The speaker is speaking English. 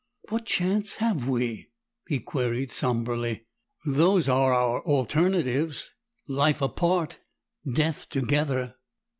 "What chance have we?" he queried somberly. "Those are our alternatives life apart, death together."